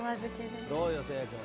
どうよ？